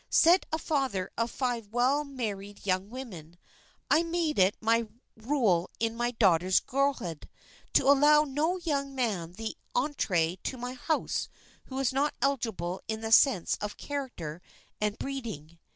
Said a father of five well married young women: "I made it a rule in my daughters' girlhood to allow no young man the entrée to my house who was not eligible in the sense of character and breeding."